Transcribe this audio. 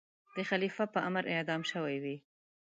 د خلیفه په امر اعدام شوی وي.